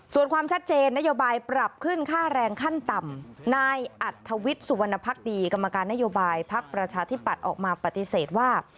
ส่วนความชัดเจนนโยบายปรับขึ้นค่าแรงขั้นต่ำนายอัธวิทย์สุวรรณภักดีกรรมการนโยบายพักประชาธิปัตย์ออกมาปฏิเสธว่า